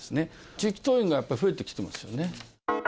地域党員がやっぱ増えてきてますよね。